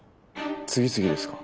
次々ですか？